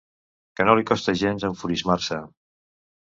Que no li costa gens enfurismar-se.